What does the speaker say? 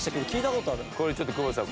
これちょっと久保田さん